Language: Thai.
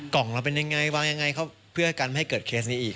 กล่องเราเป็นอย่างไงวางยังไงเพื่อให้เกิดเคสงี้อีก